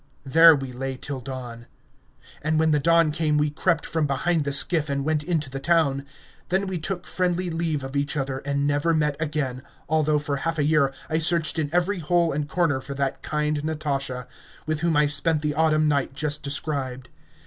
There we lay till dawn... And when the dawn came, we crept from behind the skiff and went into the town... Then we took friendly leave of each other and never met again, although for half a year I searched in every hole and corner for that kind Natasha, with whom I spent the autumn night just described.